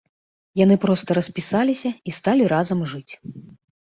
Яны проста распісаліся і сталі разам жыць.